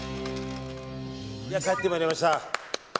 帰ってまいりました。